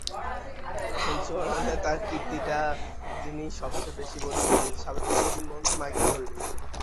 সেঞ্চুরিয়নে তাঁর কীর্তিটা যিনি সবচেয়ে বেশি বোঝেন—সাবেক ওয়েস্ট ইন্ডিজ কিংবদন্তি মাইকেল হোল্ডিং।